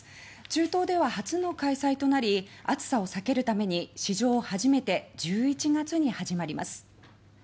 中東では初の開催となり暑さを避けるために史上初めて１１月に始まります。